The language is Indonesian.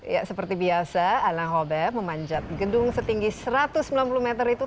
ya seperti biasa ana robert memanjat gedung setinggi satu ratus sembilan puluh meter itu